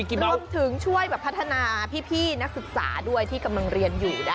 รวมถึงช่วยแบบพัฒนาพี่นักศึกษาด้วยที่กำลังเรียนอยู่นะคะ